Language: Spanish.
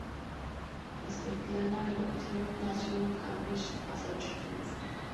Svetlana Leontief nació en Cambridge, Massachusetts.